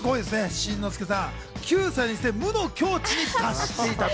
新之助さん、９歳にして、無の境地に達していたと。